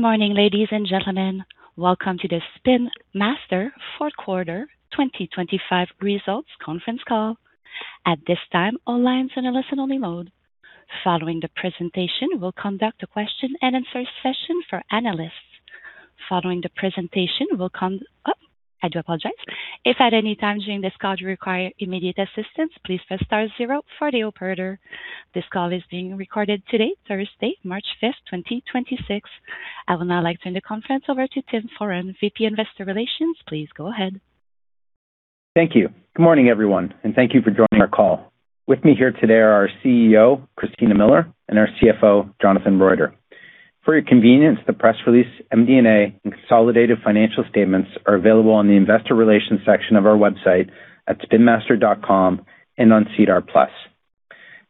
Morning, ladies and gentlemen. Welcome to the Spin Master Fourth Quarter 2025 Results Conference Call. At this time, all lines are in a listen-only mode. Following the presentation, we'll conduct a question and answer session for analysts. Following the presentation, I do apologize. If at any time during this call you require immediate assistance, please press star zero for the operator. This call is being recorded today, Thursday, March 5th, 2026. I would now like to turn the conference over to Tim Foran, VP Investor Relations. Please go ahead. Thank you. Good morning, everyone, thank you for joining our call. With me here today are our CEO, Christina Miller, and our CFO, Jonathan Roiter. For your convenience, the press release, MD&A, and consolidated financial statements are available on the investor relations section of our website at spinmaster.com and on SEDAR+.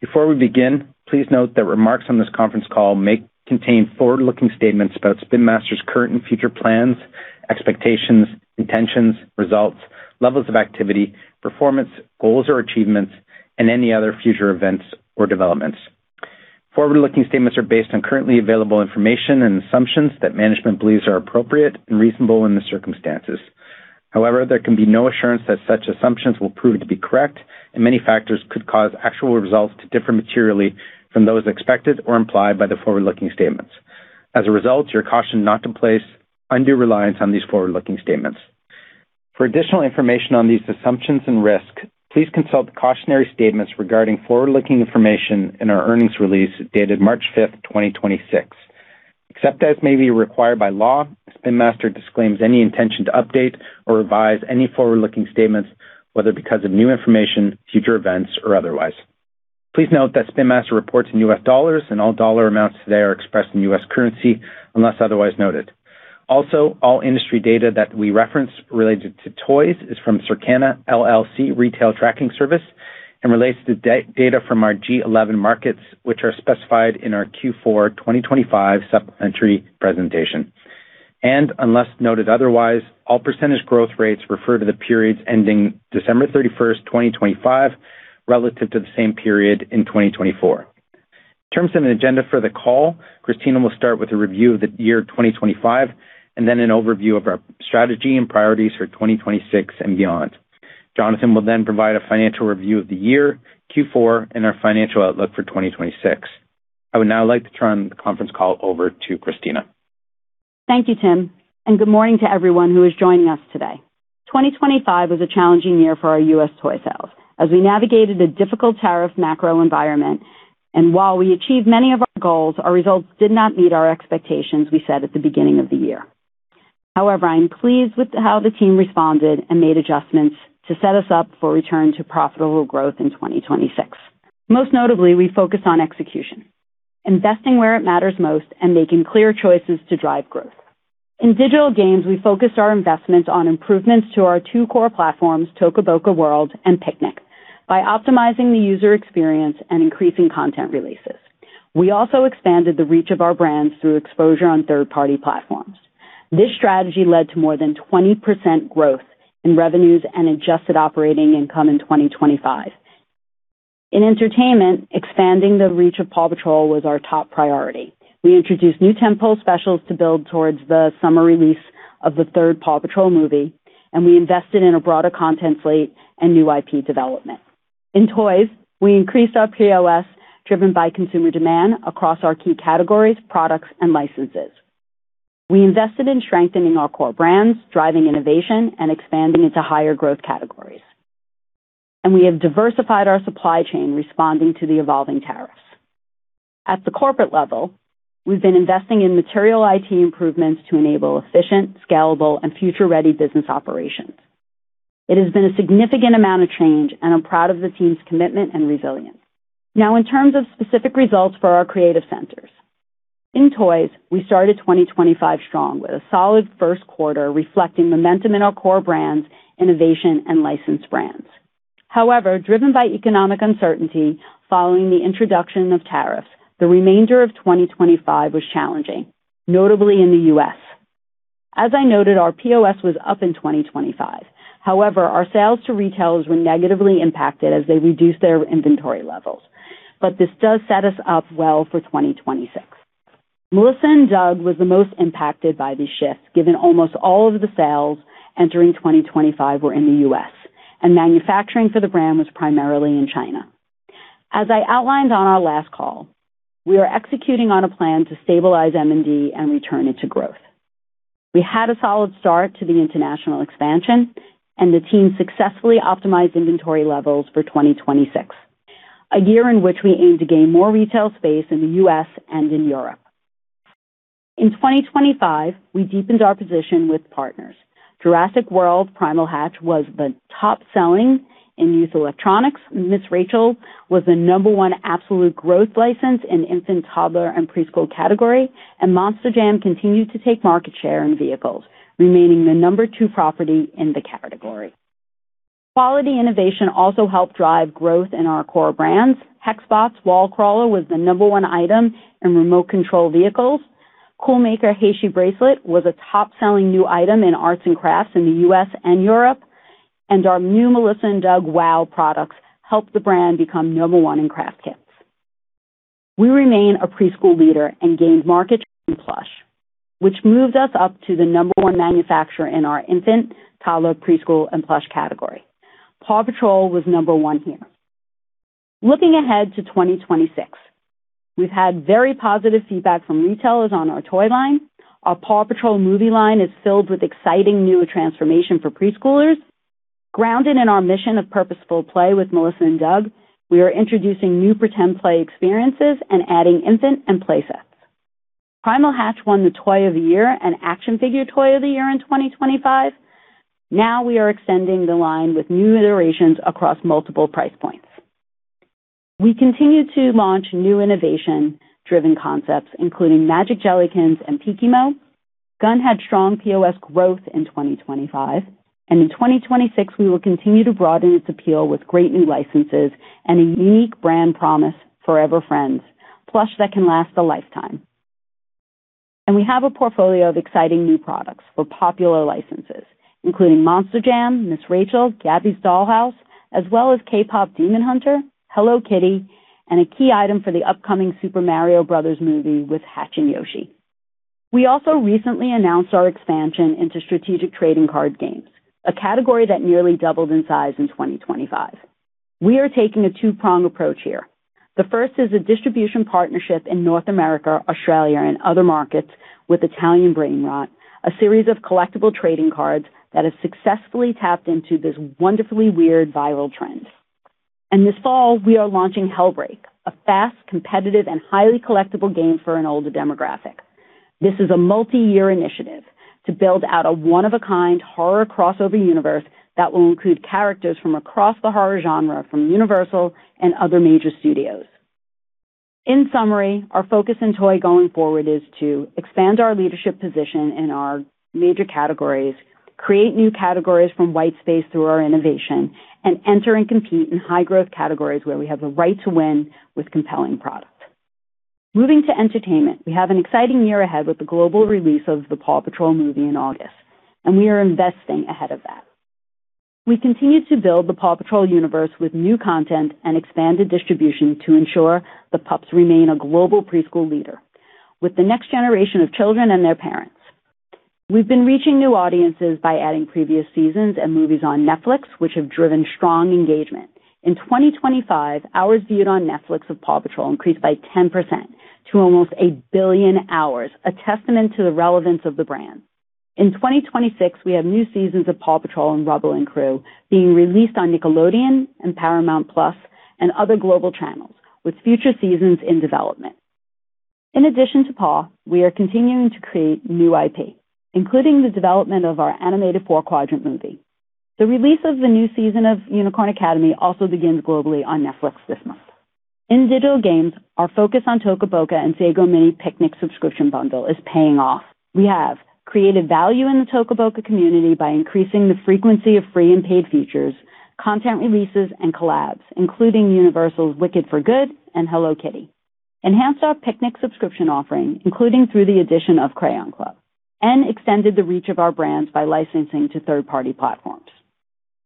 Before we begin, please note that remarks on this conference call may contain forward-looking statements about Spin Master's current and future plans, expectations, intentions, results, levels of activity, performance, goals or achievements, and any other future events or developments. Forward-looking statements are based on currently available information and assumptions that management believes are appropriate and reasonable in the circumstances. However, there can be no assurance that such assumptions will prove to be correct, and many factors could cause actual results to differ materially from those expected or implied by the forward-looking statements. As a result, you're cautioned not to place undue reliance on these forward-looking statements. For additional information on these assumptions and risks, please consult the cautionary statements regarding forward-looking information in our earnings release dated March 5th, 2026. Except as may be required by law, Spin Master disclaims any intention to update or revise any forward-looking statements, whether because of new information, future events, or otherwise. Please note that Spin Master reports in U.S. dollars and all dollar amounts today are expressed in U.S. currency unless otherwise noted. All industry data that we reference related to toys is from Circana, LLC Retail Tracking Service and relates to data from our G11 markets, which are specified in our Q4 2025 supplementary presentation. Unless noted otherwise, all percentage growth rates refer to the periods ending December 31st, 2025, relative to the same period in 2024. In terms of an agenda for the call, Christina will start with a review of the year 2025 and then an overview of our strategy and priorities for 2026 and beyond. Jonathan will provide a financial review of the year, Q4, and our financial outlook for 2026. I would now like to turn the conference call over to Christina. Thank you, Tim. Good morning to everyone who is joining us today. 2025 was a challenging year for our U.S. toy sales as we navigated a difficult tariff macro environment. While we achieved many of our goals, our results did not meet our expectations we set at the beginning of the year. However, I'm pleased with how the team responded and made adjustments to set us up for return to profitable growth in 2026. Most notably, we focused on execution, investing where it matters most, and making clear choices to drive growth. In digital games, we focused our investments on improvements to our two core platforms, Toca Boca World and Piknik, by optimizing the user experience and increasing content releases. We also expanded the reach of our brands through exposure on third-party platforms. This strategy led to more than 20% growth in revenues and adjusted operating income in 2025. In entertainment, expanding the reach of PAW Patrol was our top priority. We introduced new temp pool specials to build towards the summer release of the third PAW Patrol movie. We invested in a broader content slate and new IP development. In toys, we increased our POS driven by consumer demand across our key categories, products, and licenses. We invested in strengthening our core brands, driving innovation and expanding into higher growth categories. We have diversified our supply chain responding to the evolving tariffs. At the corporate level, we've been investing in material IT improvements to enable efficient, scalable, and future-ready business operations. It has been a significant amount of change, and I'm proud of the team's commitment and resilience. In terms of specific results for our creative centers. In toys, we started 2025 strong with a solid first quarter reflecting momentum in our core brands, innovation, and licensed brands. Driven by economic uncertainty following the introduction of tariffs, the remainder of 2025 was challenging, notably in the U.S. As I noted, our POS was up in 2025. Our sales to retailers were negatively impacted as they reduced their inventory levels. This does set us up well for 2026. Melissa & Doug was the most impacted by the shift, given almost all of the sales entering 2025 were in the U.S., and manufacturing for the brand was primarily in China. As I outlined on our last call, we are executing on a plan to stabilize M&D and return it to growth. We had a solid start to the international expansion. The team successfully optimized inventory levels for 2026, a year in which we aim to gain more retail space in the U.S. and in Europe. In 2025, we deepened our position with partners. Jurassic World Primal Hatch was the top-selling in youth electronics. Ms. Rachel was the number one absolute growth license in infant, toddler, and preschool category. Monster Jam continued to take market share in vehicles, remaining the number two property in the category. Quality innovation also helped drive growth in our core brands. Hex Bots Wall Crawler was the number one item in remote control vehicles. Cool Maker Heishi Bracelet was a top-selling new item in arts and crafts in the U.S. and Europe. Our new Melissa & Doug WOW products helped the brand become number one in craft kits. We remain a preschool leader and gained market in plush, which moved us up to the number one manufacturer in our infant, toddler, preschool, and plush category. PAW Patrol was number one here. Looking ahead to 2026, we've had very positive feedback from retailers on our toy line. Our PAW Patrol movie line is filled with exciting new transformation for preschoolers. Grounded in our mission of purposeful play with Melissa & Doug, we are introducing new pretend play experiences and adding infant and play sets. Primal Hatch won the Toy of the Year and Action Figure Toy of the Year in 2025. Now we are extending the line with new iterations across multiple price points. We continue to launch new innovation-driven concepts, including Magic Jellykins and Peekimo. Gund had strong POS growth in 2025. In 2026, we will continue to broaden its appeal with great new licenses and a unique brand promise, Forever Friends, plush that can last a lifetime. We have a portfolio of exciting new products for popular licenses, including Monster Jam, Ms. Rachel, Gabby's Dollhouse, as well as KPop Demon Hunters, Hello Kitty, and a key item for the upcoming Super Mario Brothers movie with Hatchin' Yoshi. We also recently announced our expansion into strategic trading card games, a category that nearly doubled in size in 2025. We are taking a two-prong approach here. The first is a distribution partnership in North America, Australia, and other markets with Italian Brainrot, a series of collectible trading cards that has successfully tapped into this wonderfully weird viral trend. This fall, we are launching Hellbreak, a fast, competitive, and highly collectible game for an older demographic. This is a multi-year initiative to build out a one-of-a-kind horror crossover universe that will include characters from across the horror genre, from Universal and other major studios. In summary, our focus in toy going forward is to expand our leadership position in our major categories, create new categories from white space through our innovation, and enter and compete in high-growth categories where we have a right to win with compelling products. Moving to entertainment, we have an exciting year ahead with the global release of the PAW Patrol movie in August, and we are investing ahead of that. We continue to build the PAW Patrol universe with new content and expanded distribution to ensure the pups remain a global preschool leader with the next generation of children and their parents. We've been reaching new audiences by adding previous seasons and movies on Netflix, which have driven strong engagement. In 2025, hours viewed on Netflix of PAW Patrol increased by 10% to almost 1 billion hours, a testament to the relevance of the brand. In 2026, we have new seasons of PAW Patrol and Rubble & Crew being released on Nickelodeon and Paramount+ and other global channels with future seasons in development. In addition to Paw, we are continuing to create new IP, including the development of our animated four-quadrant movie. The release of the new season of Unicorn Academy also begins globally on Netflix this month. In digital games, our focus on Toca Boca and Sago Mini Picnic subscription bundle is paying off. We have created value in the Toca Boca community by increasing the frequency of free and paid features, content releases, and collabs, including Universal's Wicked for Good and Hello Kitty. Enhanced our Piknik subscription offering, including through the addition of Crayon Club, and extended the reach of our brands by licensing to third-party platforms.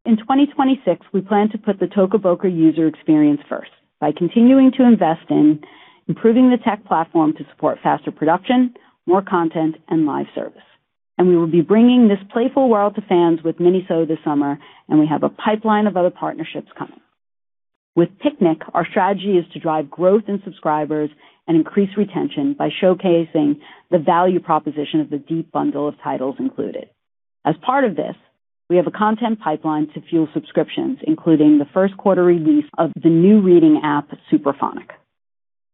In 2026, we plan to put the Toca Boca user experience first by continuing to invest in improving the tech platform to support faster production, more content and live service. We will be bringing this playful world to fans with MINISO this summer, and we have a pipeline of other partnerships coming. With Piknik, our strategy is to drive growth in subscribers and increase retention by showcasing the value proposition of the deep bundle of titles included. As part of this, we have a content pipeline to fuel subscriptions, including the first quarter release of the new reading app, Superfonik.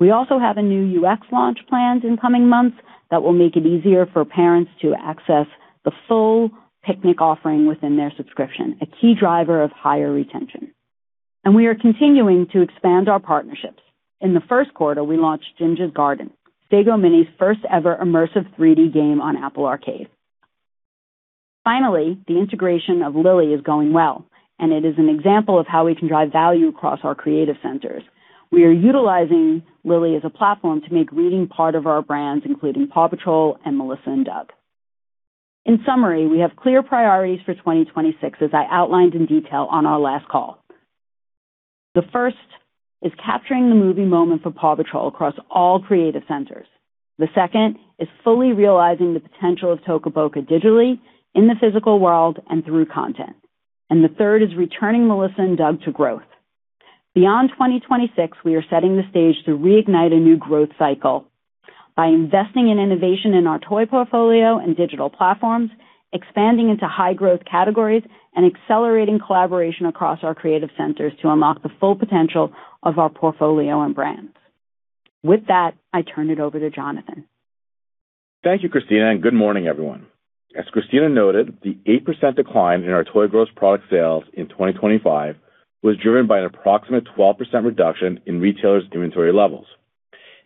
We also have a new UX launch planned in coming months that will make it easier for parents to access the full Piknik offering within their subscription, a key driver of higher retention. We are continuing to expand our partnerships. In the first quarter, we launched Jinja's Garden, Sago Mini's first ever immersive 3D game on Apple Arcade. The integration of Lylli is going well, and it is an example of how we can drive value across our creative centers. We are utilizing Lylli as a platform to make reading part of our brands, including PAW Patrol and Melissa & Doug. In summary, we have clear priorities for 2026, as I outlined in detail on our last call. The first is capturing the movie moment for PAW Patrol across all creative centers. The second is fully realizing the potential of Toca Boca digitally, in the physical world and through content. The third is returning Melissa and Doug to growth. Beyond 2026, we are setting the stage to reignite a new growth cycle by investing in innovation in our toy portfolio and digital platforms, expanding into high-growth categories, and accelerating collaboration across our creative centers to unlock the full potential of our portfolio and brands. With that, I turn it over to Jonathan. Thank you, Christina. Good morning, everyone. As Christina noted, the 8% decline in our toy gross product sales in 2025 was driven by an approximate 12% reduction in retailers' inventory levels.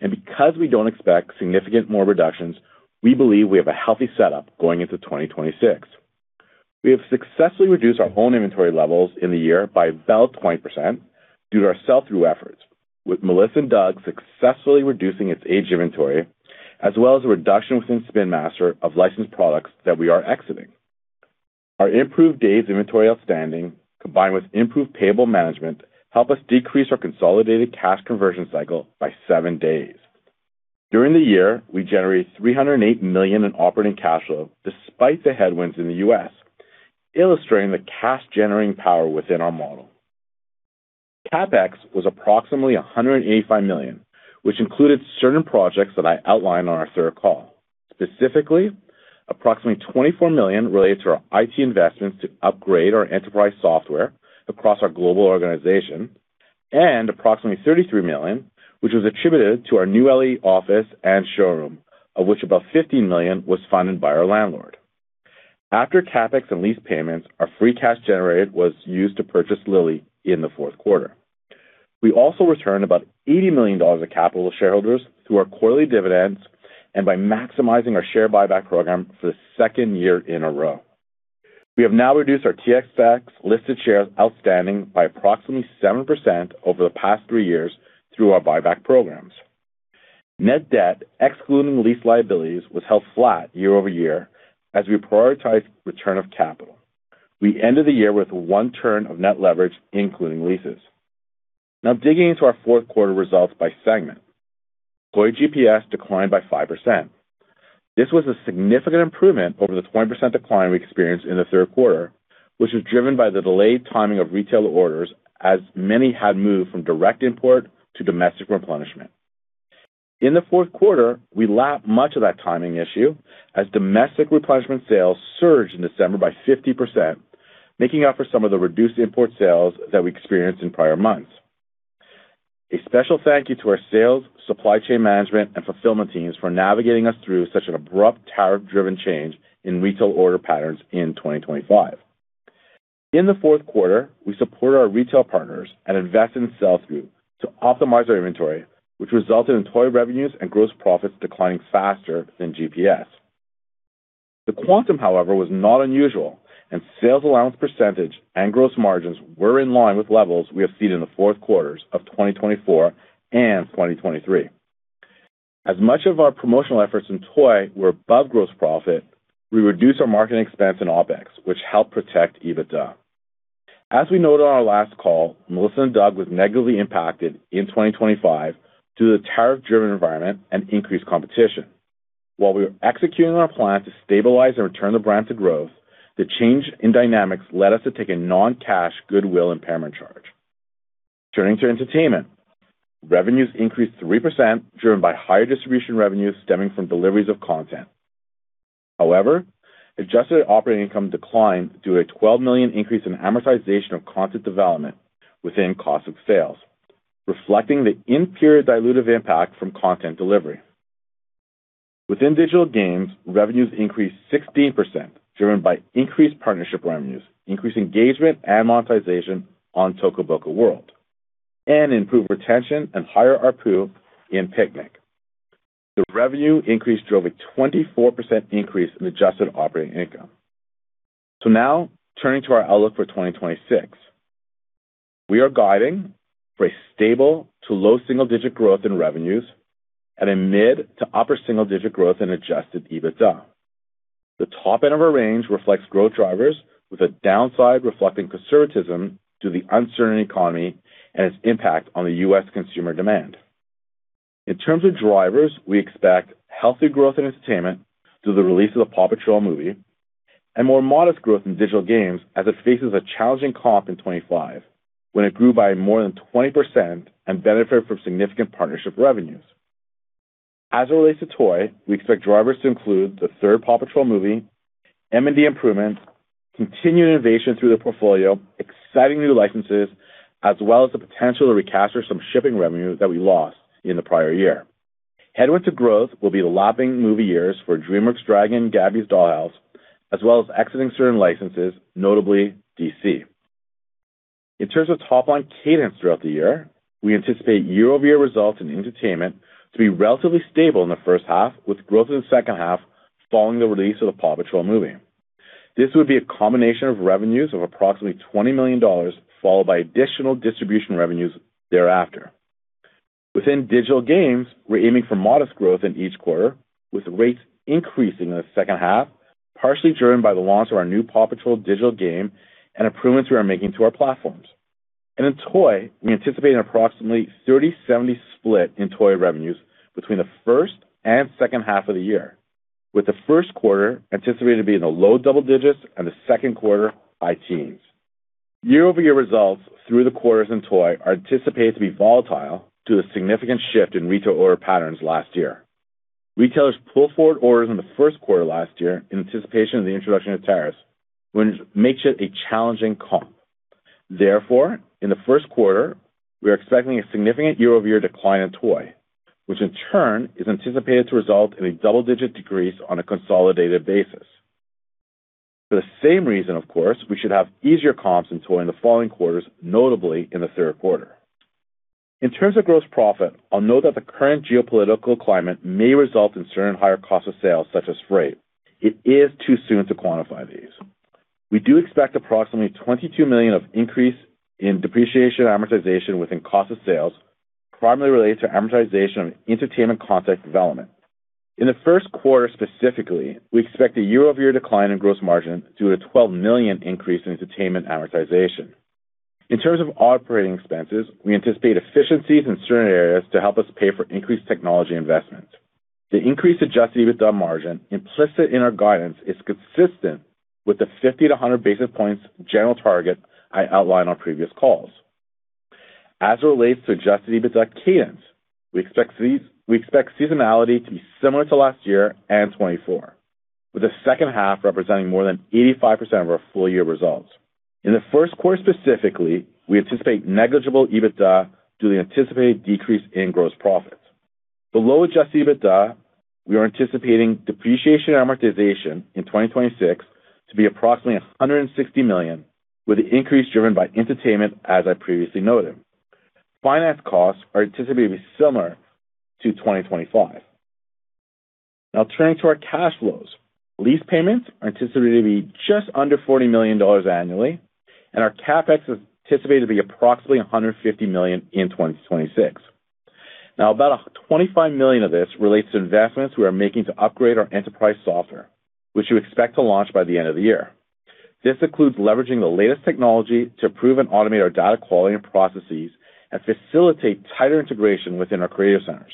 Because we don't expect significant more reductions, we believe we have a healthy setup going into 2026. We have successfully reduced our own inventory levels in the year by about 20% due to our sell-through efforts. With Melissa & Doug successfully reducing its age inventory, as well as a reduction within Spin Master of licensed products that we are exiting. Our improved days inventory outstanding, combined with improved payable management, help us decrease our consolidated cash conversion cycle by seven days. During the year, we generated $308 million in operating cash flow despite the headwinds in the U.S., illustrating the cash-generating power within our model. CapEx was approximately $185 million, which included certain projects that I outlined on our third call. Specifically, approximately $24 million related to our IT investments to upgrade our enterprise software across our global organization and approximately $33 million, which was attributed to our new L.A. office and showroom, of which about $15 million was funded by our landlord. After CapEx and lease payments, our free cash generated was used to purchase Lylli in the fourth quarter. We also returned about $80 million of capital to shareholders through our quarterly dividends and by maximizing our share buyback program for the second year in a row. We have now reduced our TSX listed shares outstanding by approximately 7% over the past three years through our buyback programs. Net debt, excluding lease liabilities, was held flat year-over-year as we prioritized return of capital. We ended the year with one turn of net leverage, including leases. Digging into our fourth quarter results by segment. Toy GPS declined by 5%. This was a significant improvement over the 20% decline we experienced in the third quarter, which was driven by the delayed timing of retailer orders, as many had moved from direct import to domestic replenishment. In the fourth quarter, we lapped much of that timing issue as domestic replenishment sales surged in December by 50%, making up for some of the reduced import sales that we experienced in prior months. A special thank you to our sales, supply chain management and fulfillment teams for navigating us through such an abrupt tariff driven change in retail order patterns in 2025. In the fourth quarter, we supported our retail partners and invested in sales group to optimize our inventory, which resulted in toy revenues and gross profits declining faster than GPS. The quantum, however, was not unusual and sales allowance percentage and gross margins were in line with levels we have seen in the fourth quarters of 2024 and 2023. As much of our promotional efforts in toy were above gross profit, we reduced our marketing expense and OpEx, which helped protect EBITDA. As we noted on our last call, Melissa & Doug was negatively impacted in 2025 due to the tariff-driven environment and increased competition. While we are executing our plan to stabilize and return the brand to growth, the change in dynamics led us to take a non-cash goodwill impairment charge. Turning to entertainment. Revenues increased 3%, driven by higher distribution revenues stemming from deliveries of content. However, adjusted operating income declined due to a $12 million increase in amortization of content development within cost of sales, reflecting the in-period dilutive impact from content delivery. Within digital games, revenues increased 16%, driven by increased partnership revenues, increased engagement and monetization on Toca Boca World, and improved retention and higher ARPU in Piknik. The revenue increase drove a 24% increase in adjusted operating income. Now turning to our outlook for 2026. We are guiding for a stable to low single-digit growth in revenues and a mid to upper single-digit growth in adjusted EBITDA. The top end of our range reflects growth drivers with a downside reflecting conservatism to the uncertain economy and its impact on the U.S. consumer demand. In terms of drivers, we expect healthy growth in entertainment through the release of the PAW Patrol movie and more modest growth in digital games as it faces a challenging comp in 2025, when it grew by more than 20% and benefited from significant partnership revenues. As it relates to toy, we expect drivers to include the third PAW Patrol movie, M&D improvements, continued innovation through the portfolio, exciting new licenses, as well as the potential to recapture some shipping revenue that we lost in the prior year. Headwind to growth will be the lapping movie years for DreamWorks Dragons, Gabby's Dollhouse, as well as exiting certain licenses, notably DC. In terms of top-line cadence throughout the year, we anticipate year-over-year results in entertainment to be relatively stable in the first half with growth in the second half following the release of the PAW Patrol movie. This would be a combination of revenues of approximately $20 million, followed by additional distribution revenues thereafter. Within digital games, we're aiming for modest growth in each quarter, with rates increasing in the second half, partially driven by the launch of our new PAW Patrol digital game and improvements we are making to our platforms. In toy, we anticipate an approximately 30/70 split in toy revenues between the first and second half of the year, with the first quarter anticipated to be in the low double digits and the second quarter high teens. Year-over-year results through the quarters in toy are anticipated to be volatile due to a significant shift in retail order patterns last year. Retailers pulled forward orders in the first quarter last year in anticipation of the introduction of tariffs, which makes it a challenging comp. In the first quarter, we are expecting a significant year-over-year decline in toy, which in turn is anticipated to result in a double-digit decrease on a consolidated basis. For the same reason, of course, we should have easier comps in toy in the following quarters, notably in the third quarter. In terms of gross profit, I'll note that the current geopolitical climate may result in certain higher cost of sales, such as freight. It is too soon to quantify these. We do expect approximately $22 million of increase in depreciation amortization within cost of sales, primarily related to amortization of entertainment content development. In the first quarter specifically, we expect a year-over-year decline in gross margin due to a $12 million increase in entertainment amortization. In terms of operating expenses, we anticipate efficiencies in certain areas to help us pay for increased technology investment. The increased adjusted EBITDA margin implicit in our guidance is consistent with the 50 to 100 basis points general target I outlined on previous calls. As it relates to adjusted EBITDA cadence, we expect seasonality to be similar to last year and 2024, with the second half representing more than 85% of our full year results. In the first quarter specifically, we anticipate negligible EBITDA due to the anticipated decrease in gross profits. Below adjusted EBITDA, we are anticipating depreciation and amortization in 2026 to be approximately $160 million, with the increase driven by entertainment, as I previously noted. Finance costs are anticipated to be similar to 2025. Turning to our cash flows. Lease payments are anticipated to be just under $40 million annually. Our CapEx is anticipated to be approximately $150 million in 2026. About $25 million of this relates to investments we are making to upgrade our enterprise software, which you expect to launch by the end of the year. This includes leveraging the latest technology to improve and automate our data quality and processes and facilitate tighter integration within our creative centers.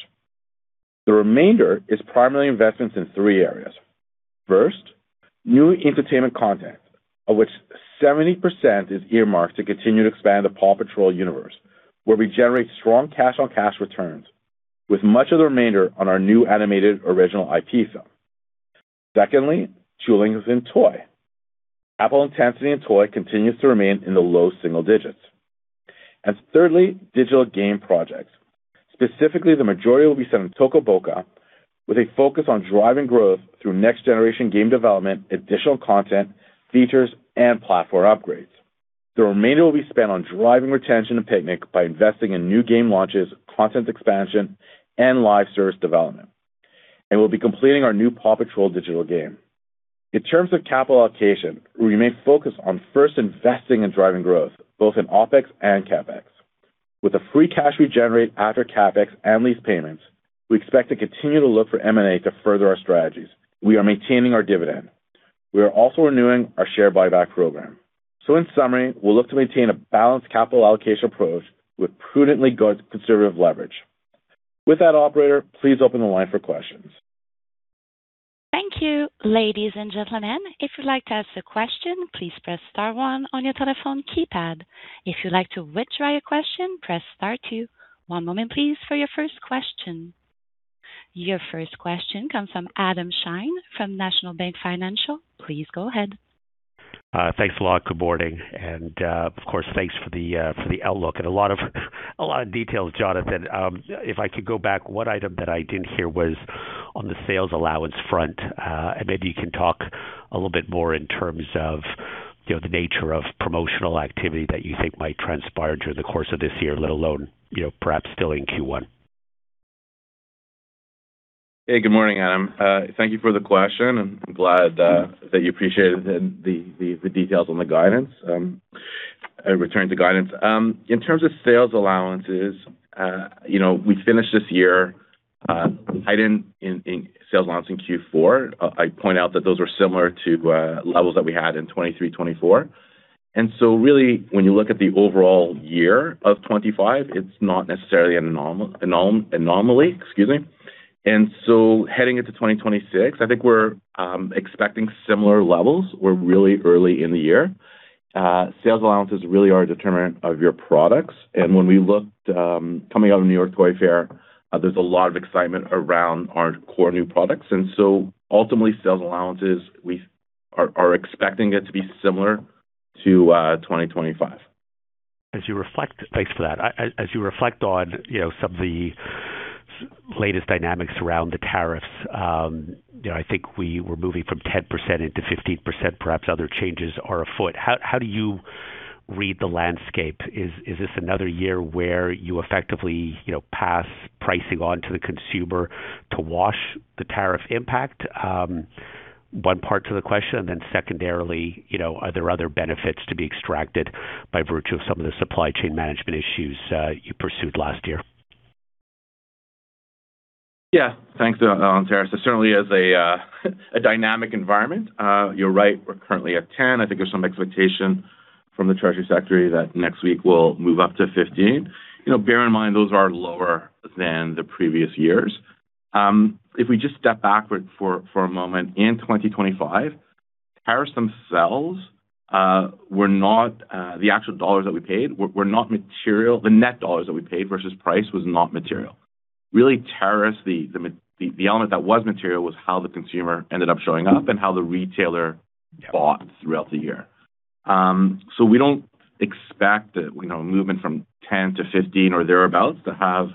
The remainder is primarily investments in three areas. First, new entertainment content, of which 70% is earmarked to continue to expand the PAW Patrol universe, where we generate strong cash-on-cash returns with much of the remainder on our new animated original IP film. Secondly, tooling in toy. promotional intensity in toy continues to remain in the low single digits. Thirdly, digital game projects. Specifically, the majority will be set in Toca Boca with a focus on driving growth through next generation game development, additional content, features, and platform upgrades. The remainder will be spent on driving retention to Piknik by investing in new game launches, content expansion, and live service development. We'll be completing our new PAW Patrol digital game. In terms of capital allocation, we remain focused on first investing in driving growth, both in OpEx and CapEx. With the free cash we generate after CapEx and lease payments, we expect to continue to look for M&A to further our strategies. We are maintaining our dividend. We are also renewing our share buyback program. In summary, we'll look to maintain a balanced capital allocation approach with prudently conservative leverage. With that, operator, please open the line for questions. Thank you, ladies and gentlemen. If you'd like to ask a question, please press star one on your telephone keypad. If you'd like to withdraw your question, press star two. One moment please for your first question. Your first question comes from Adam Shine from National Bank Financial. Please go ahead. Thanks a lot. Good morning. Of course, thanks for the outlook and a lot of a lot of details, Jonathan. If I could go back, one item that I didn't hear was on the sales allowance front. Maybe you can talk a little bit more in terms of, you know, the nature of promotional activity that you think might transpire during the course of this year, let alone, you know, perhaps still in Q1. Hey, good morning, Adam. Thank you for the question, and I'm glad that you appreciated the details on the guidance in return to guidance. In terms of sales allowances, you know, we finished this year heightened in sales allowance in Q4. I point out that those were similar to levels that we had in 2023, 2024. Really, when you look at the overall year of 2025, it's not necessarily an anomaly, excuse me. Heading into 2026, I think we're expecting similar levels. We're really early in the year. Sales allowances really are a determinant of your products. When we looked coming out of New York Toy Fair, there's a lot of excitement around our core new products. ultimately, sales allowances, we are expecting it to be similar to, 2025. Thanks for that. As you reflect on, you know, some of the latest dynamics around the tariffs, you know, I think we were moving from 10% into 15%, perhaps other changes are afoot. How do you read the landscape? Is this another year where you effectively, you know, pass pricing on to the consumer to wash the tariff impact? One part to the question, secondarily, you know, are there other benefits to be extracted by virtue of some of the supply chain management issues, you pursued last year? Yeah. Thanks. On tariffs, it certainly is a dynamic environment. You're right, we're currently at $10. I think there's some expectation from the treasury secretary that next week we'll move up to $15. You know, bear in mind, those are lower than the previous years. If we just step backward for a moment, in 2025, tariffs themselves were not, the actual dollars that we paid were not material. The net dollars that we paid versus price was not material. Really, tariffs, the element that was material was how the consumer ended up showing up and how the retailer bought throughout the year. We don't expect, you know, a movement from $10 to $15 or thereabout to have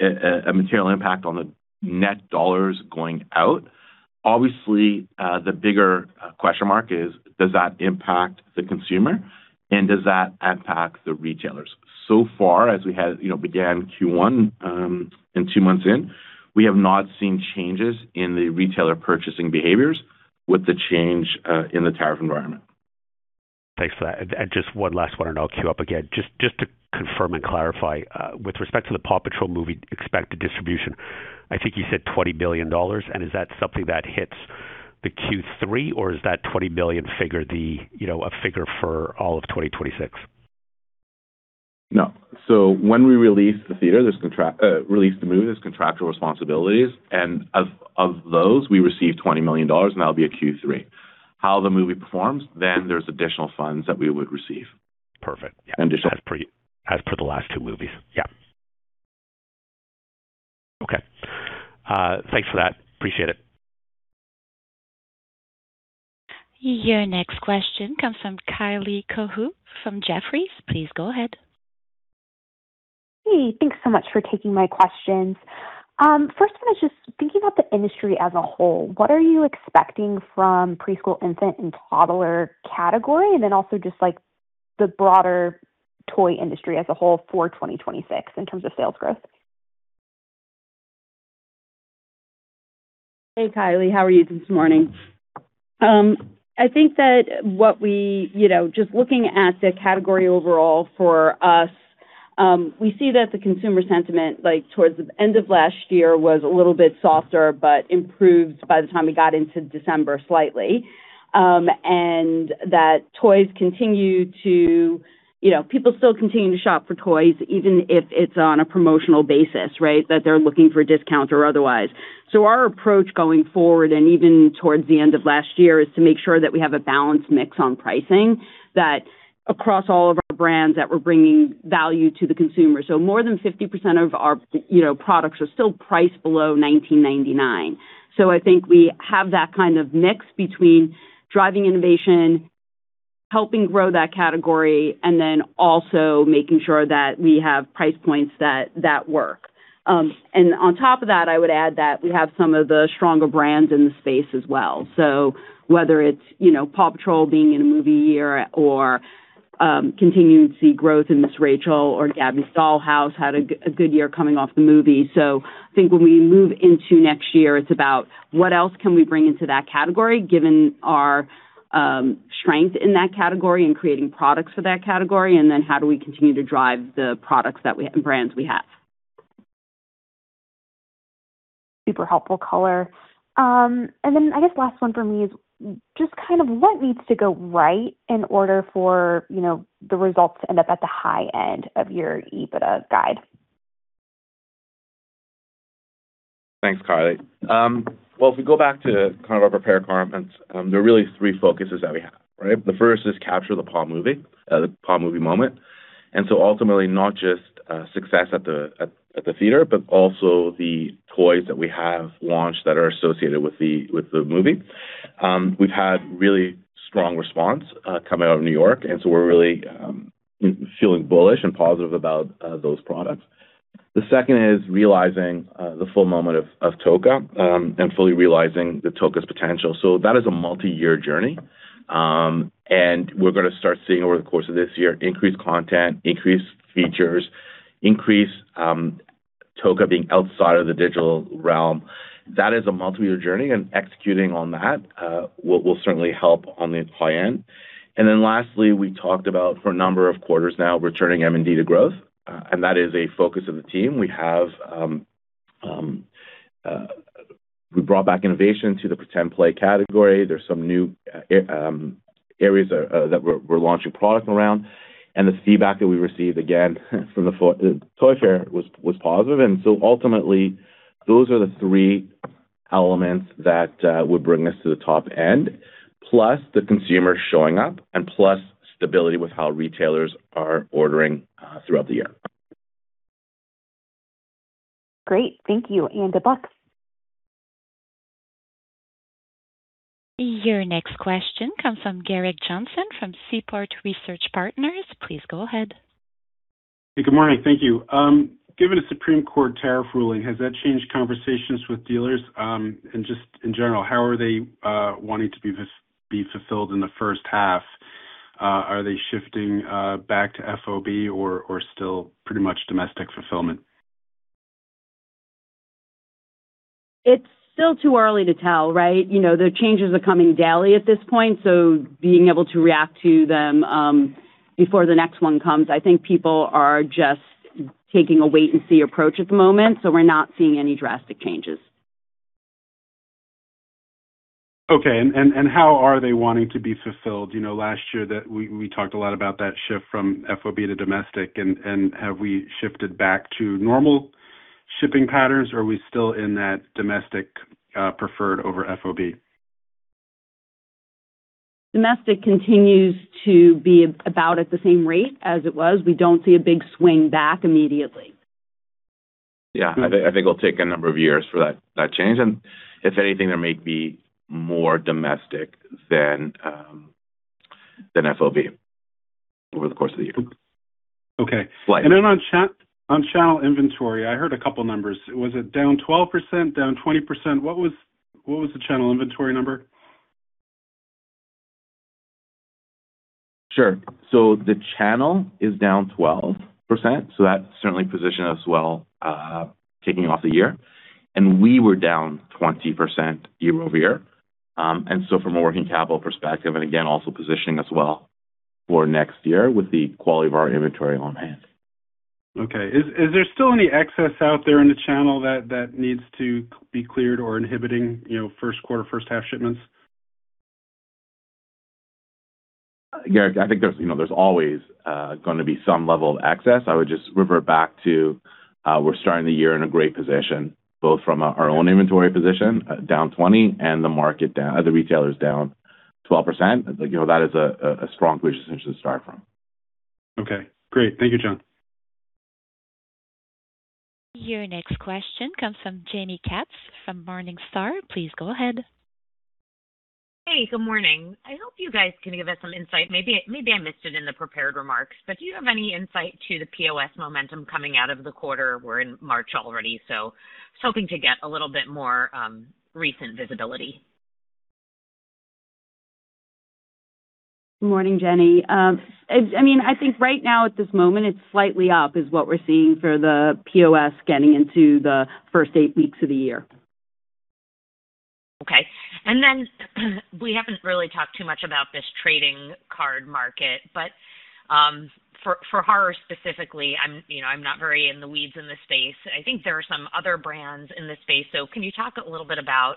a material impact on the net dollars going out. Obviously, the bigger question mark is, does that impact the consumer? Does that impact the retailers? Far, as we had, you know, began Q1, and two months in, we have not seen changes in the retailer purchasing behaviors with the change in the tariff environment. Thanks for that. Just one last one, and I'll queue up again. Just to confirm and clarify. With respect to the PAW Patrol movie expected distribution, I think you said $20 billion. Is that something that hits the Q3, or is that $20 billion figure the, you know, a figure for all of 2026? No. When we release the movie, there's contractual responsibilities. Of those, we receive $20 million, and that'll be a Q3. How the movie performs, there's additional funds that we would receive. Perfect. Yeah. As per the last two movies. Yeah. Okay. Thanks for that. Appreciate it. Your next question comes from Kylie Cohu from Jefferies. Please go ahead. Hey, thanks so much for taking my questions. First one is just thinking about the industry as a whole, what are you expecting from preschool infant and toddler category? Also just, like, the broader toy industry as a whole for 2026 in terms of sales growth? Hey, Kylie. How are you this morning? I think that what we, you know, just looking at the category overall for us, we see that the consumer sentiment, like, towards the end of last year was a little bit softer, but improved by the time we got into December slightly. That people still continue to shop for toys, even if it's on a promotional basis, right? That they're looking for a discount or otherwise. Our approach going forward, and even towards the end of last year, is to make sure that we have a balanced mix on pricing, that across all of our brands, that we're bringing value to the consumer. More than 50% of our, you know, products are still priced below $19.99. I think we have that kind of mix between driving innovation, helping grow that category, and then also making sure that we have price points that work. On top of that, I would add that we have some of the stronger brands in the space as well. Whether it's, you know, PAW Patrol being in a movie year or continuing to see growth in Ms. Rachel or Gabby's Dollhouse had a good year coming off the movie. I think when we move into next year, it's about what else can we bring into that category, given our strength in that category and creating products for that category, and then how do we continue to drive the brands we have. Super helpful color. I guess last one for me is just kind of what needs to go right in order for, you know, the results to end up at the high end of your EBITDA guide? Thanks, Kylie. Well, if we go back to kind of our prepared comments, there are really three focuses that we have, right? The first is capture the PAW movie, the PAW movie moment. Ultimately, not just success at the theater, but also the toys that we have launched that are associated with the movie. We've had really strong response coming out of New York. We're really feeling bullish and positive about those products. The second is realizing the full moment of Toca, and fully realizing Toca's potential. That is a multi-year journey. We're gonna start seeing over the course of this year increased content, increased features, increased Toca being outside of the digital realm. That is a multi-year journey, and executing on that, will certainly help on the high end. Lastly, we talked about for a number of quarters now, returning M&D to growth. That is a focus of the team. We have, we brought back innovation to the pretend play category. There's some new areas, that we're launching product around. The feedback that we received, again, from the toy fair was positive. Ultimately, those are the three elements that, would bring us to the top end, plus the consumer showing up and plus stability with how retailers are ordering throughout the year. Great. Thank you, and best of luck. Your next question comes from Gerrick Johnson from Seaport Research Partners. Please go ahead. Good morning. Thank you. Given a Supreme Court tariff ruling, has that changed conversations with dealers? Just in general, how are they wanting to be fulfilled in the first half? Are they shifting back to FOB or still pretty much domestic fulfillment? It's still too early to tell, right? You know, the changes are coming daily at this point, so being able to react to them, before the next one comes, I think people are just taking a wait and see approach at the moment. We're not seeing any drastic changes. Okay. How are they wanting to be fulfilled? You know, last year that we talked a lot about that shift from FOB to domestic and have we shifted back to normal shipping patterns or are we still in that domestic preferred over FOB? Domestic continues to be about at the same rate as it was. We don't see a big swing back immediately. Yeah. I think it'll take a number of years for that change. If anything, there may be more domestic than FOB over the course of the year. Okay. On channel inventory, I heard a couple numbers. Was it down 12%? Down 20%? What was the channel inventory number? Sure. The channel is down 12%, so that certainly positioned us well, kicking off the year. We were down 20% year-over-year. From a working capital perspective, and again, also positioning us well for next year with the quality of our inventory on hand. Okay. Is there still any excess out there in the channel that needs to be cleared or inhibiting, you know, first quarter, first half shipments? Gerrick, I think there's, you know, there's always gonna be some level of access. I would just revert back to, we're starting the year in a great position, both from our own inventory position, down 20%, and the retailers down 12%. You know, that is a strong position to start from. Okay, great. Thank you, John. Your next question comes from Jaime Katz from Morningstar. Please go ahead. Hey, good morning. I hope you guys can give us some insight. Maybe I missed it in the prepared remarks, do you have any insight to the POS momentum coming out of the quarter? We're in March already, just hoping to get a little bit more recent visibility. Good morning, Jaime. I mean, I think right now at this moment, it's slightly up is what we're seeing for the POS getting into the first eight weeks of the year. Okay. Then we haven't really talked too much about this trading card market, but, for horror specifically, I'm, you know, I'm not very in the weeds in this space. I think there are some other brands in this space. So can you talk a little bit about,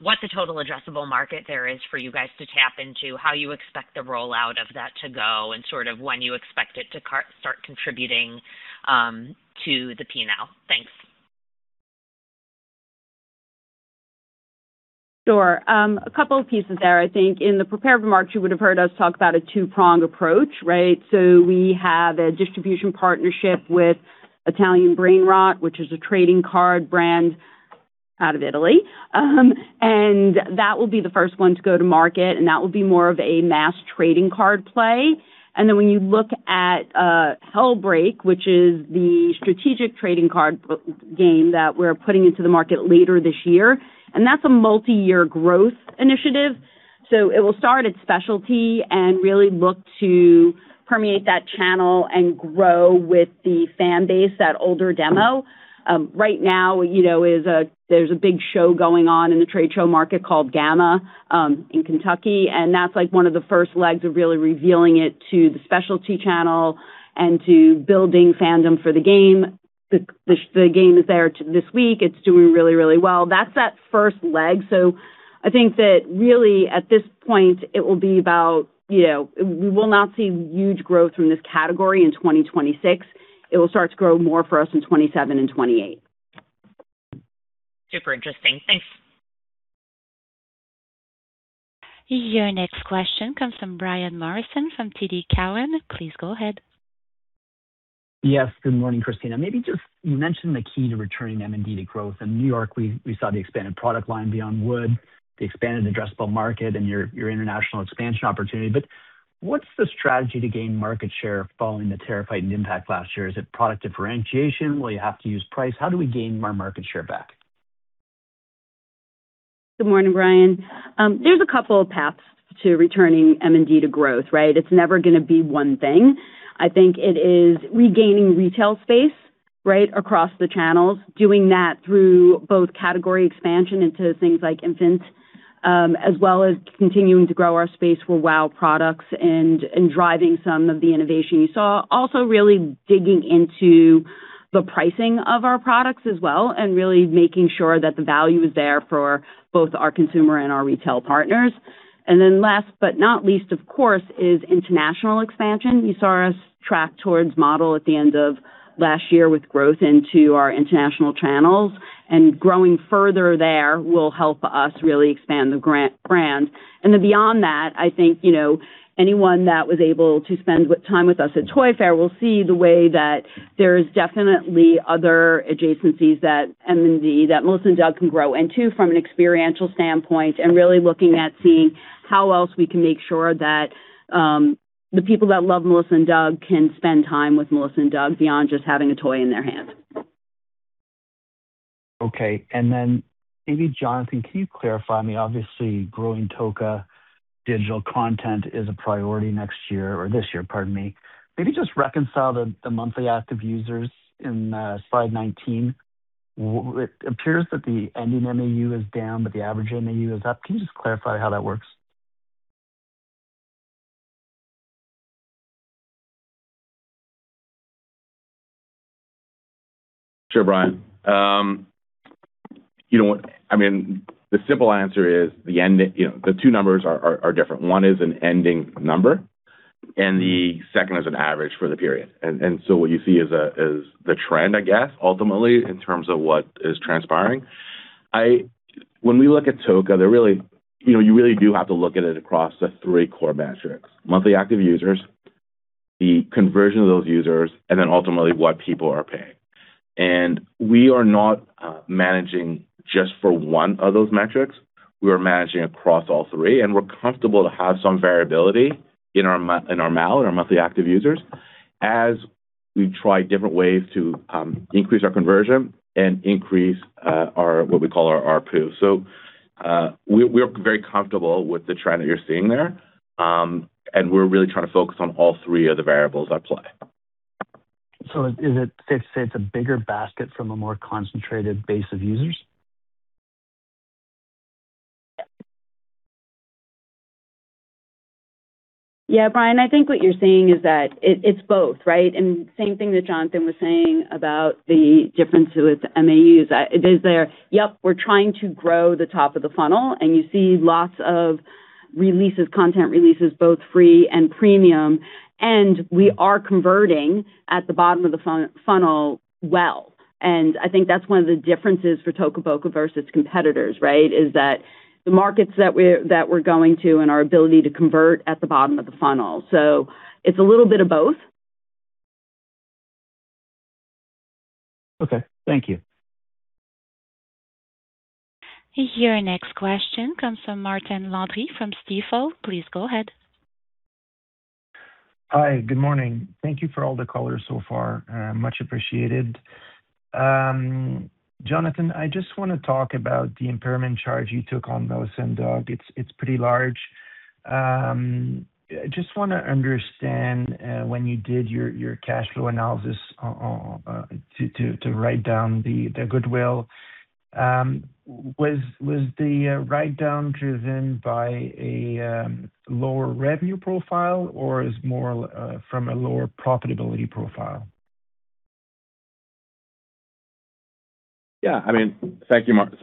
what the total addressable market there is for you guys to tap into, how you expect the rollout of that to go, and sort of when you expect it to start contributing, to the P&L? Thanks. Sure. A couple of pieces there. I think in the prepared remarks, you would have heard us talk about a two-pronged approach, right? We have a distribution partnership with Italian Brainrot, which is a trading card brand out of Italy. That will be the first one to go to market, and that will be more of a mass trading card play. When you look at Hellbreak, which is the strategic trading card b-game that we're putting into the market later this year, and that's a multi-year growth initiative. It will start at specialty and really look to permeate that channel and grow with the fan base, that older demo. Right now, you know, there's a big show going on in the trade show market called GAMA, in Kentucky, that's like one of the first legs of really revealing it to the specialty channel and to building fandom for the game. The game is there this week. It's doing really, really well. That's that first leg. I think that really, at this point, it will be about, you know, we will not see huge growth from this category in 2026. It will start to grow more for us in 2027 and 2028. Super interesting. Thanks. Your next question comes from Brian Morrison from TD Cowen. Please go ahead. Yes, good morning, Christina. Maybe just you mentioned the key to returning M&D to growth. In New York, we saw the expanded product line beyond wood, the expanded addressable market and your international expansion opportunity. What's the strategy to gain market share following the tariff heightened impact last year? Is it product differentiation? Will you have to use price? How do we gain our market share back? Good morning, Brian. There's a couple of paths to returning M&D to growth, right? It's never gonna be one thing. I think it is regaining retail space, right, across the channels. Doing that through both category expansion into things like infant, as well as continuing to grow our space for WOW products and driving some of the innovation you saw. Also really digging into the pricing of our products as well and really making sure that the value is there for both our consumer and our retail partners. Last but not least, of course, is international expansion. You saw us track towards model at the end of last year with growth into our international channels. Growing further there will help us really expand the brand. Beyond that, I think, you know, anyone that was able to spend time with us at Toy Fair will see the way that there's definitely other adjacencies that M&D, that Melissa & Doug can grow. Two, from an experiential standpoint and really looking at seeing how else we can make sure that the people that love Melissa & Doug can spend time with Melissa & Doug beyond just having a toy in their hand. Okay. Then maybe Jonathan, can you clarify? I mean, obviously, growing Toca digital content is a priority next year or this year, pardon me. Maybe just reconcile the monthly active users in slide 19. It appears that the ending MAU is down, but the average MAU is up. Can you just clarify how that works? Sure, Brian. You know what, I mean, you know, the two numbers are different. One is an ending number, and the second is an average for the period. What you see is the trend, I guess, ultimately, in terms of what is transpiring. When we look at Toca, there really, you know, you really do have to look at it across the three core metrics: Monthly Active Users, the conversion of those users, and then ultimately what people are paying. We are not managing just for one of those metrics. We are managing across all three, and we're comfortable to have some variability in our MAU, our Monthly Active Users, as we try different ways to increase our conversion and increase our what we call our ARPU. We're very comfortable with the trend that you're seeing there, and we're really trying to focus on all three of the variables at play. Is it fair to say it's a bigger basket from a more concentrated base of users? Yeah, Brian, I think what you're saying is that it's both, right? Same thing that Jonathan was saying about the difference to its MAUs. It is there. Yep, we're trying to grow the top of the funnel and you see lots of releases, content releases, both free and premium, and we are converting at the bottom of the funnel well. I think that's one of the differences for Toca Boca versus competitors, right? Is that the markets that we're going to and our ability to convert at the bottom of the funnel. It's a little bit of both. Okay. Thank you. Your next question comes from Martin Landry from Stifel. Please go ahead. Hi. Good morning. Thank you for all the color so far. much appreciated. Jonathan, I just wanna talk about the impairment charge you took on Melissa & Doug. It's pretty large. I just wanna understand when you did your cash flow analysis on to write down the goodwill, was the write-down driven by a lower revenue profile or is more from a lower profitability profile? I mean, thank you, Martin.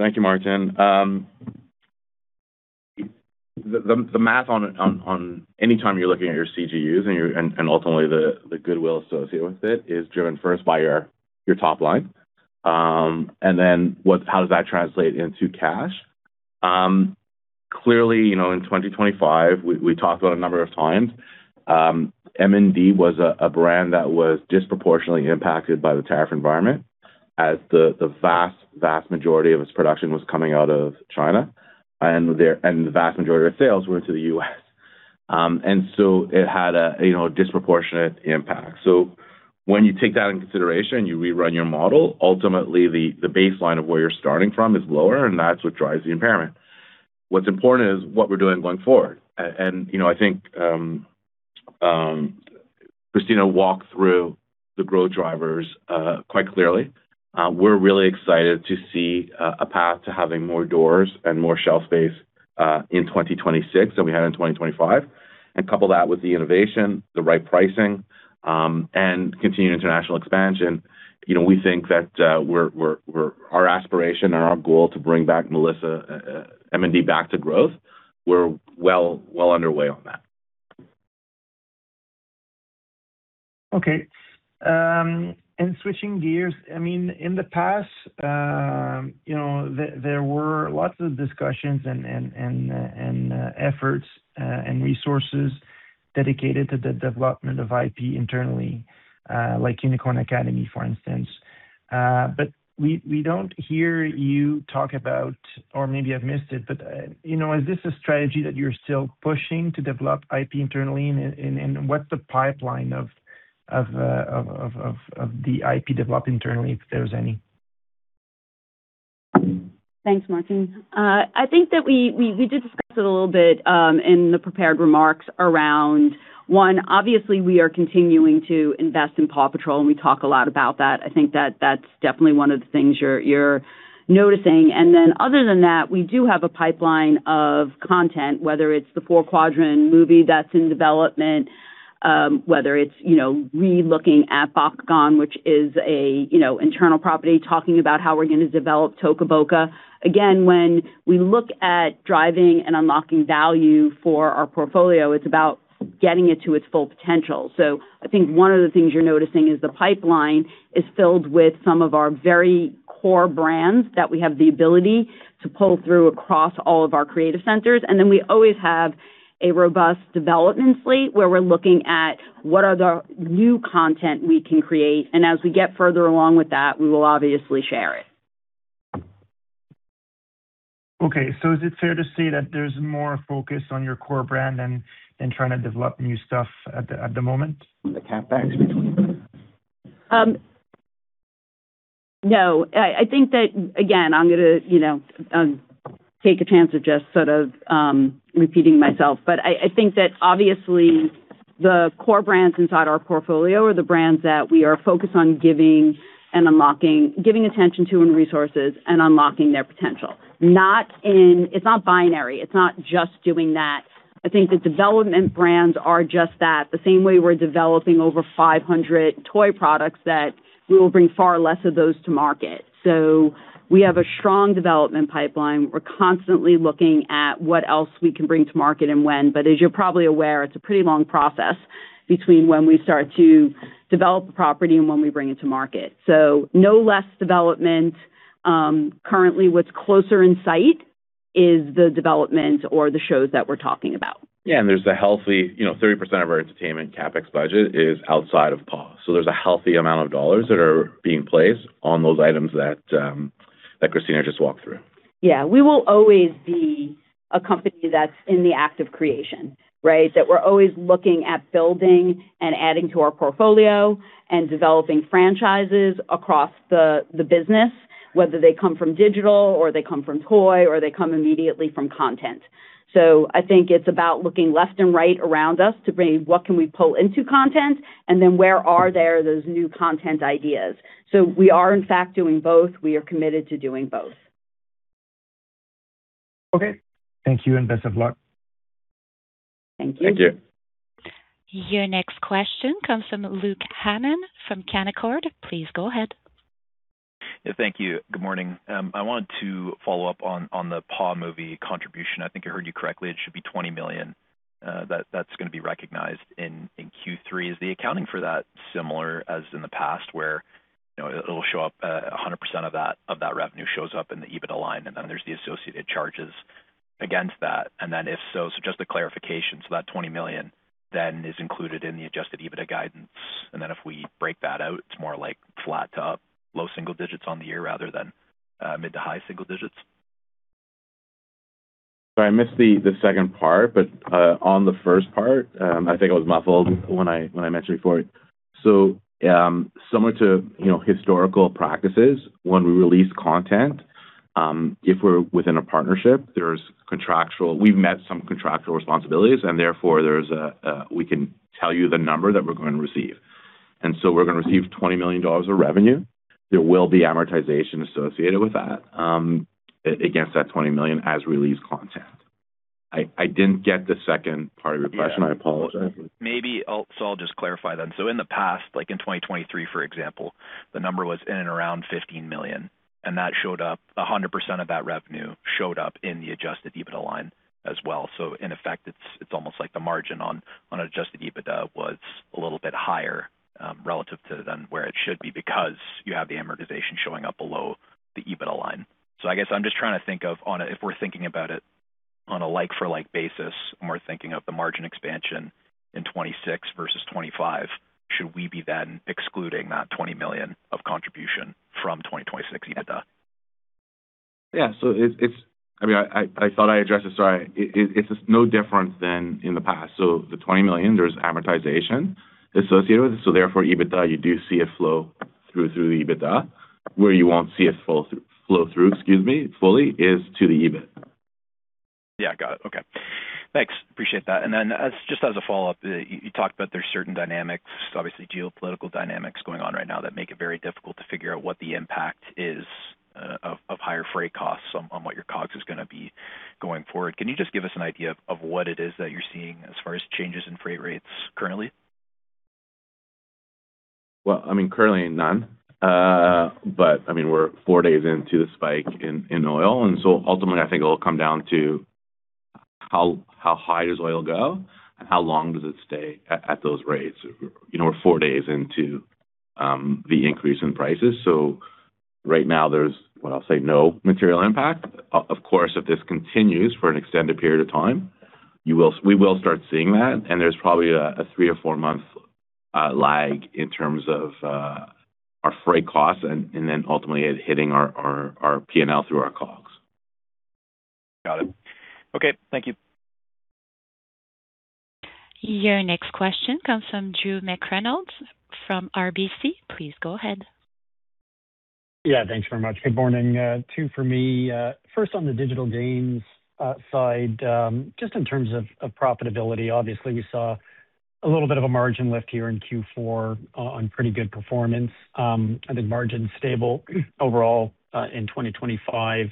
The math on anytime you're looking at your CGUs and your, ultimately the goodwill associated with it is driven first by your top line. How does that translate into cash? Clearly, you know, in 2025, we talked about a number of times, M&D was a brand that was disproportionately impacted by the tariff environment as the vast majority of its production was coming out of China, and the vast majority of sales were to the U.S. It had a, you know, disproportionate impact. When you take that into consideration, you rerun your model, ultimately the baseline of where you're starting from is lower, that's what drives the impairment. What's important is what we're doing going forward. You know, I think Christina walked through the growth drivers quite clearly. We're really excited to see a path to having more doors and more shelf space in 2026 than we had in 2025. Couple that with the innovation, the right pricing, and continued international expansion, you know, we think that Our aspiration or our goal to bring back Melissa M&D back to growth, we're well underway on that. Okay. Switching gears. I mean, in the past, you know, there were lots of discussions and efforts and resources dedicated to the development of IP internally, like Unicorn Academy, for instance. We don't hear you talk about or maybe I've missed it, but, you know, is this a strategy that you're still pushing to develop IP internally? What's the pipeline of the IP developed internally, if there's any? Thanks, Martin. I think that we did discuss it a little bit in the prepared remarks around, one, obviously we are continuing to invest in PAW Patrol, and we talk a lot about that. I think that that's definitely one of the things you're noticing. Then other than that, we do have a pipeline of content, whether it's the four-quadrant movie that's in development, whether it's, you know, re-looking at Bakugan, which is a, you know, internal property, talking about how we're gonna develop Toca Boca. Again, when we look at driving and unlocking value for our portfolio, it's about getting it to its full potential. I think one of the things you're noticing is the pipeline is filled with some of our very core brands that we have the ability to pull through across all of our creative centers. We always have a robust development slate, where we're looking at what are the new content we can create. As we get further along with that, we will obviously share it. Is it fair to say that there's more focus on your core brand than trying to develop new stuff at the moment from the CapEx between them? No. I think that, again, I'm gonna, you know, take a chance of just sort of repeating myself. I think that obviously the core brands inside our portfolio are the brands that we are focused on giving and unlocking, giving attention to and resources and unlocking their potential. It's not binary. It's not just doing that. I think the development brands are just that. The same way we're developing over 500 toy products that we will bring far less of those to market. We have a strong development pipeline. We're constantly looking at what else we can bring to market and when. As you're probably aware, it's a pretty long process between when we start to develop the property and when we bring it to market. No less development. Currently what's closer in sight is the development or the shows that we're talking about. Yeah. There's a healthy, you know, 30% of our entertainment CapEx budget is outside of PAW. There's a healthy amount of dollars that are being placed on those items that Christina just walked through. Yeah. We will always be a company that's in the act of creation, right? That we're always looking at building and adding to our portfolio and developing franchises across the business, whether they come from digital or they come from toy or they come immediately from content. I think it's about looking left and right around us to bring what can we pull into content and then where are there those new content ideas. We are in fact doing both. We are committed to doing both. Okay. Thank you, and best of luck. Thank you. Thank you. Your next question comes from Luke Hannan, from Canaccord. Please go ahead. Thank you. Good morning. I wanted to follow up on the PAW movie contribution. I think I heard you correctly, it should be $20 million that's gonna be recognized in Q3. Is the accounting for that similar as in the past, where, you know, it'll show up, 100% of that revenue shows up in the EBITDA line, and then there's the associated charges against that? If so, just a clarification, so that $20 million then is included in the adjusted EBITDA guidance, and then if we break that out, it's more like flat to low single digits on the year rather than mid to high single digits. Sorry, I missed the second part, but on the first part, I think I was muffled when I mentioned before. Similar to, you know, historical practices, when we release content, if we're within a partnership, we've met some contractual responsibilities and therefore We can tell you the number that we're gonna receive. We're gonna receive $20 million of revenue. There will be amortization associated with that against that $20 million as we release content. I didn't get the second part of your question. I apologize. I'll just clarify then. In the past, like in 2023, for example, the number was in and around $15 million, and that showed up, 100% of that revenue showed up in the adjusted EBITDA line as well. In effect, it's almost like the margin on adjusted EBITDA was a little bit higher relative to than where it should be because you have the amortization showing up below the EBITDA line. I guess I'm just trying to think of if we're thinking about it on a like-for-like basis, and we're thinking of the margin expansion in 2026 versus 2025, should we be then excluding that $20 million of contribution from 2026 EBITDA? Yeah. I mean, I thought I addressed this. Sorry. It's no different than in the past. The $20 million, there's amortization associated with it. Therefore, EBITDA, you do see it flow through to the EBITDA. Where you won't see it flow through, excuse me, fully is to the EBIT. Yeah, got it. Okay. Thanks. Appreciate that. Then just as a follow-up, you talked about there's certain dynamics, obviously geopolitical dynamics going on right now that make it very difficult to figure out what the impact is of higher freight costs on what your COGS is gonna be going forward. Can you just give us an idea of what it is that you're seeing as far as changes in freight rates currently? Well, I mean, currently none. I mean, we're four days into the spike in oil, ultimately, I think it'll come down to how high does oil go and how long does it stay at those rates. You know, we're four days into the increase in prices. Right now there's, what I'll say no material impact. Of course, if this continues for an extended period of time, we will start seeing that, and there's probably a three- or four-month lag in terms of our freight costs and then ultimately it hitting our P&L through our COGS. Got it. Okay. Thank you. Your next question comes from Drew McReynolds from RBC. Please go ahead. Yeah, thanks very much. Good morning. Two for me. First on the digital gains side, just in terms of profitability. Obviously, we saw a little bit of a margin lift here in Q4 on pretty good performance. I think margin's stable overall in 2025.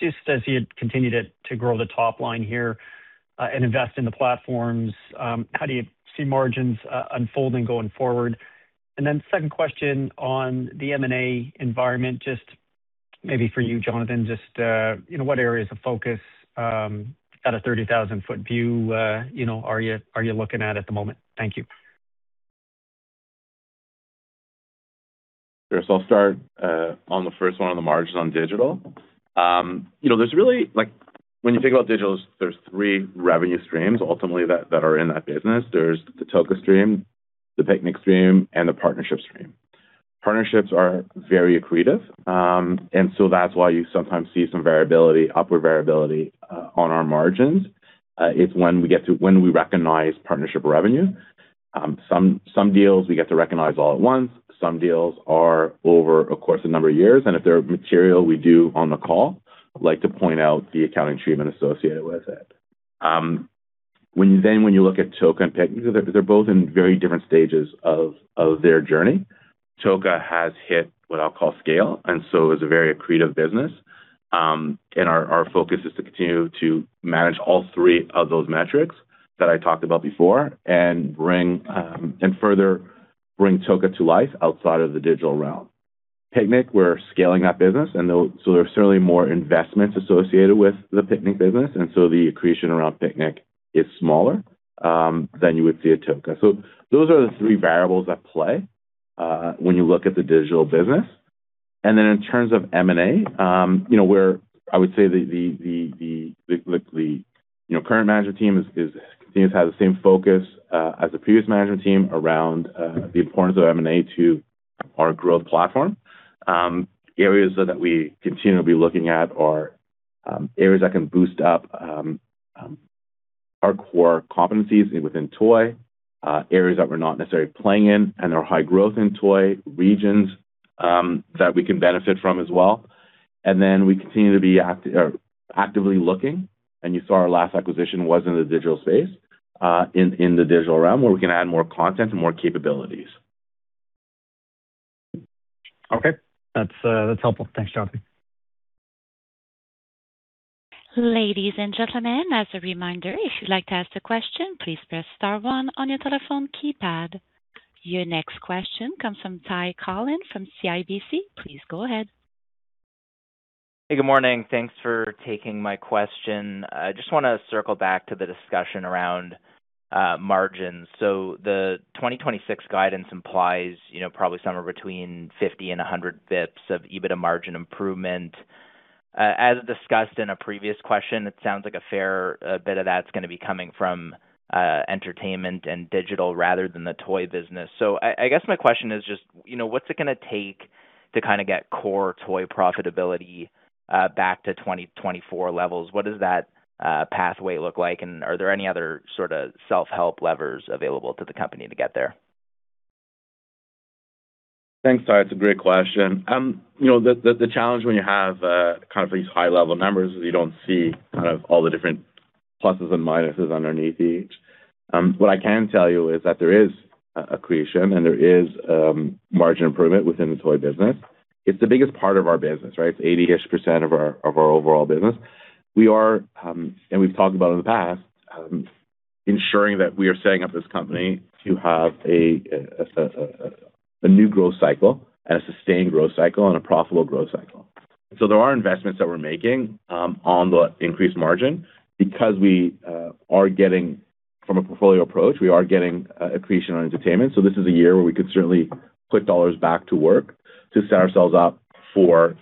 Just as you continue to grow the top line here and invest in the platforms, how do you see margins unfolding going forward? Second question on the M&A environment, just maybe for you, Jonathan, just, you know, what areas of focus at a 30,000-foot view, you know, are you looking at at the moment? Thank you. Sure. I'll start on the first one on the margins on digital. You know, when you think about digital, there's three revenue streams ultimately that are in that business. There's the Toca stream, the Piknik stream, and the partnership stream. Partnerships are very accretive, that's why you sometimes see some variability, upward variability, on our margins, is when we recognize partnership revenue. Some deals we get to recognize all at once. Some deals are over a course of number of years. If they're material, we do on the call like to point out the accounting treatment associated with it. When you look at Toca and Piknik, they're both in very different stages of their journey. Toca has hit what I'll call scale, and so is a very accretive business. Our focus is to continue to manage all three of those metrics that I talked about before and further bring Toca to life outside of the digital realm. Piknik, we're scaling that business. There's certainly more investments associated with the Piknik business, the accretion around Piknik is smaller than you would see at Toca. Those are the three variables at play when you look at the digital business. In terms of M&A, you know, I would say the, you know, current management team is continues to have the same focus as the previous management team around the importance of M&A to our growth platform. Areas that we continue to be looking at are areas that can boost up our core competencies within toy, areas that we're not necessarily playing in and are high growth in toy, regions that we can benefit from as well. We continue to be actively looking, and you saw our last acquisition was in the digital space, the digital realm, where we can add more content and more capabilities. Okay. That's, that's helpful. Thanks, Jonathan. Ladies and gentlemen, as a reminder, if you'd like to ask a question, please press star one on your telephone keypad. Your next question comes from Ty Collins from CIBC. Please go ahead. Hey, good morning. Thanks for taking my question. I just wanna circle back to the discussion around margins. The 2026 guidance implies, you know, probably somewhere between 50 and 100 BIPS of EBITDA margin improvement. As discussed in a previous question, it sounds like a fair bit of that's gonna be coming from entertainment and digital rather than the toy business. I guess my question is just, you know, what's it gonna take to kinda get core toy profitability back to 2024 levels? What does that pathway look like, and are there any other sorta self-help levers available to the company to get there? Thanks, Ty. It's a great question. You know, the challenge when you have kind of these high-level numbers is you don't see kind of all the different pluses and minuses underneath each. What I can tell you is that there is accretion, and there is margin improvement within the toy business. It's the biggest part of our business, right? It's 80-ish% of our overall business. We are, and we've talked about in the past, ensuring that we are setting up this company to have a new growth cycle and a sustained growth cycle and a profitable growth cycle. There are investments that we're making on the increased margin because we are getting from a portfolio approach, we are getting accretion on entertainment. This is a year where we could certainly put dollars back to work to set ourselves up for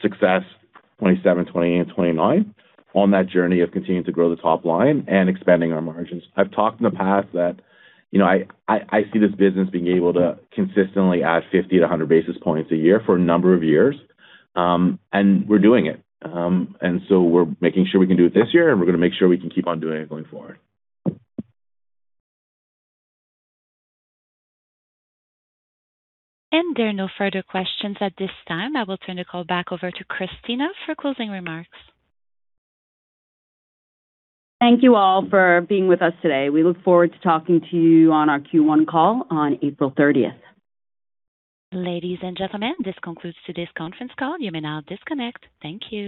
success 2027, 2028, and 2029 on that journey of continuing to grow the top line and expanding our margins. I've talked in the past that, you know, I see this business being able to consistently add 50 to 100 basis points a year for a number of years, and we're doing it. We're making sure we can do it this year, and we're gonna make sure we can keep on doing it going forward. There are no further questions at this time. I will turn the call back over to Christina for closing remarks. Thank you all for being with us today. We look forward to talking to you on our Q1 call on April 30th. Ladies and gentlemen, this concludes today's conference call. You may now disconnect. Thank you.